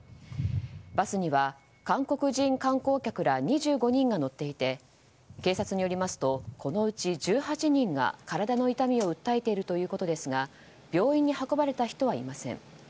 バスには韓国人観光客ら２５人が乗っていて警察によりますとこのうち１８人が体の痛みを訴えているということですが病院に運ばれた人はいません。